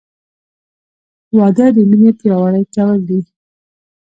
• واده د مینې پیاوړی کول دي.